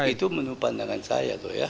itu menurut pandangan saya loh ya